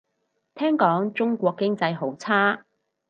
聽講中國經濟好差